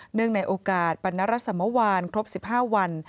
เนื่องในโอกาสปรรณรสมวัลครบ๑๕วัน